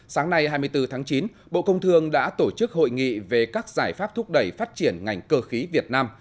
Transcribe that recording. sáng nay hai mươi bốn tháng chín bộ công thương đã tổ chức hội nghị về các giải pháp thúc đẩy phát triển ngành cơ khí việt nam